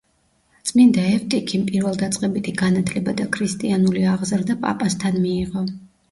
წმინდა ევტიქიმ პირველდაწყებითი განათლება და ქრისტიანული აღზრდა პაპასთან მიიღო.